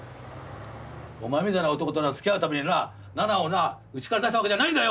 お前みたいな男とつきあうためにな菜々をなうちから出した訳じゃないんだよ！